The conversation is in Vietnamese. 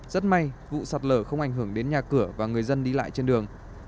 rất may vụ sạt lở không ảnh hưởng đến nhà cửa và người dân đi lại trên đường